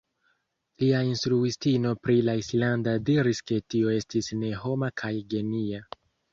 Lia instruistino pri la islanda diris ke tio estis "ne homa" kaj "genia".